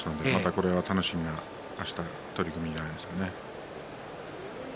これは楽しみなあしたの取組になりますね。